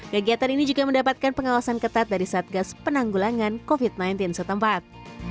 kegiatan ini juga mendapatkan pengawasan ketat dari satgas penanggulangan covid sembilan belas setempat